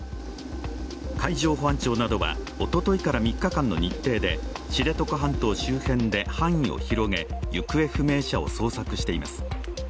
海上保安庁などはおとといから３日間の日程で知床半島周辺で範囲を広げ、行方不明者を捜索しています。